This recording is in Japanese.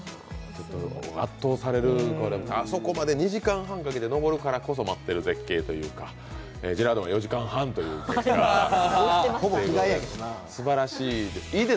圧倒される、あそこまで２時間半かけて登るからこそ待っている絶景というか、ジェラードンは４時間半ということで。